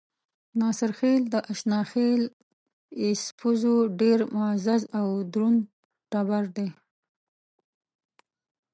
ناصرخېل د اشاخېل ايسپزو ډېر معزز او درون ټبر دے۔